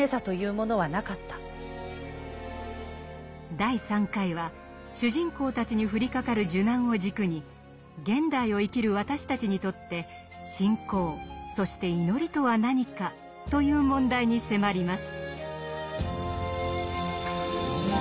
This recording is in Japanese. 第３回は主人公たちに降りかかる受難を軸に現代を生きる私たちにとって「信仰」そして「祈り」とは何かという問題に迫ります。